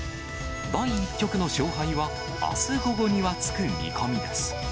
第１局の勝敗は、あす午後にはつく見込みです。